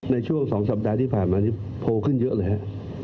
ในช่วง๒สัปดาห์ที่ผ่านมานี้โพลขึ้นเยอะเลยฮะ